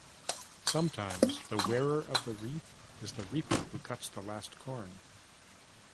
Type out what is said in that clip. Sometimes the wearer of the wreath is the reaper who cut the last corn.